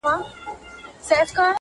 د درانه لطیف بهاند دې کور اباد وي